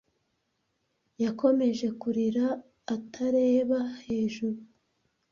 Yakomeje kurira atareba hejuru.